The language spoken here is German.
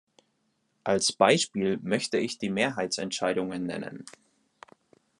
Als Beispiel möchte ich die Mehrheitsentscheidungen nennen.